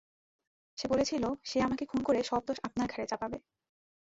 সে বলেছিল সে আমাকে খুন করে সব দোষ আপনার ঘাড়ে চাপাবে।